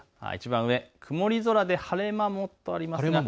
曇り空で晴れ間もとあります。